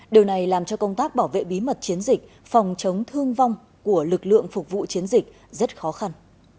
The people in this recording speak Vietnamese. điều này làm cho công tác bảo vệ bí mật chiến dịch phòng chống thương vong của lực lượng phục vụ chiến dịch rất khó khăn